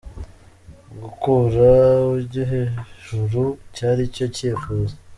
Gukura ujye ejuru cyari cyo cyifuzo